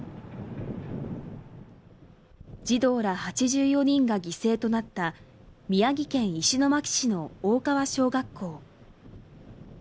児童ら８４人が犠牲となった宮城県石巻市の大川小学校。